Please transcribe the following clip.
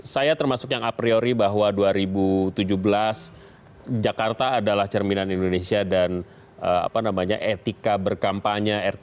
saya termasuk yang a priori bahwa dua ribu tujuh belas jakarta adalah cerminan indonesia dan etika berkampanye